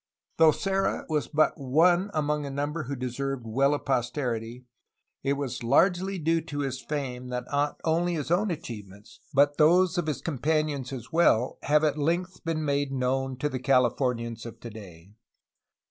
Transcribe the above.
Though Serra was but one among a number who deserved well of posterity, it was largely due to his fame that not only his own achievements but those of his companions as well have at length been made known to the Californians of today.